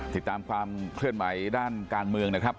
ติดตามความเคลื่อนไหวด้านการเมืองนะครับ